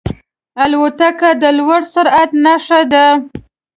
الوتکه د لوړ سرعت نښه ده.